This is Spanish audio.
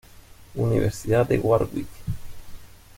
Universidad de Warwick.